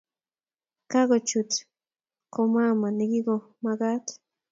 Kagochut go mama nikomanagat